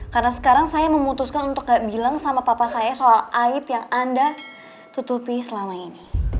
karena sekarang saya memutuskan untuk gak bilang sama papa saya soal aib yang anda tutupi selama ini